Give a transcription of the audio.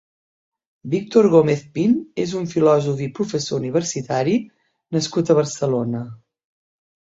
Víctor Gómez Pin és un filòsof i professor universitari nascut a Barcelona.